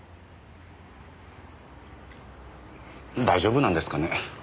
大丈夫なんですかね。